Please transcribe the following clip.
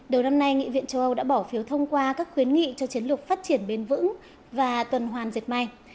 đầu năm nay nghị viện châu âu đã bỏ phiếu thông qua các khuyến nghị cho chiến lược phát triển bền vững và tuần hoàn diệt may